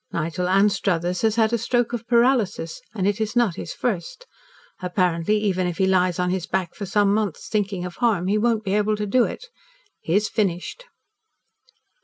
Nigel Anstruthers has had a stroke of paralysis, and it is not his first. Apparently, even if he lies on his back for some months thinking of harm, he won't be able to do it. He is finished."